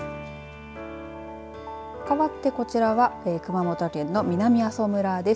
かわってこちらは熊本県の南阿蘇村です。